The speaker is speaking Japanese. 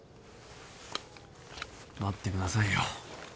待ってくださいよ。